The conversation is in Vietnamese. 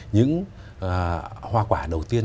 những hoa quả đầu tiên